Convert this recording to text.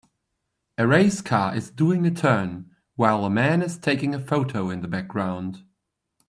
A race car is doing a turn while a man is taking a photo in the background.